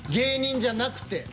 ２０じゃなくて。